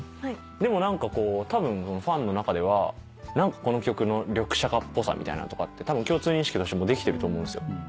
でもたぶんファンの中ではこの曲のリョクシャカっぽさみたいなのとかってたぶん共通認識としてできてると思うんですよ。